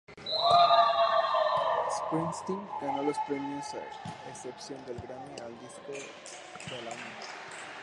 Springsteen ganó los tres premios a excepción del Grammy al mejor disco del año.